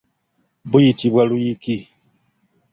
Buyitibwa luyiki.